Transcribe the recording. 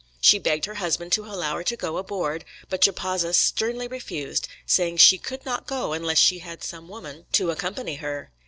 She begged her husband to allow her to go aboard, but Japazaws sternly refused, saying she could not go unless she had some woman to accompany her.